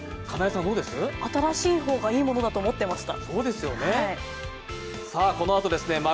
新しい方がいいものだと思っていました。